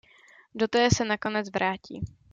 Do té se nakonec vrátí.